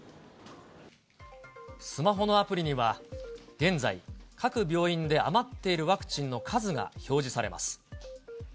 スマホのアプリには、現在、各病院で余っているワクチンの数が表示されます。